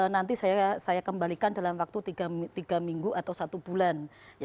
nanti saya kembalikan dalam waktu tiga minggu atau satu bulan